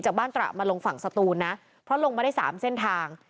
บ้านตระมาลงฝั่งสตูนนะเพราะลงมาได้๓เส้นทาง